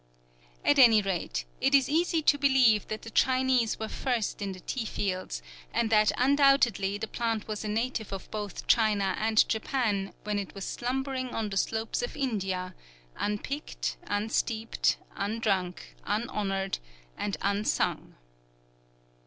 At any rate, it is easy to believe that the Chinese were first in the tea fields, and that undoubtedly the plant was a native of both China and Japan when it was slumbering on the slopes of India, unpicked, unsteeped, undrunk, unhonored, and unsung.